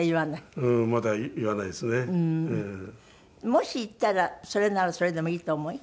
もし言ったらそれならそれでもいいとお思い？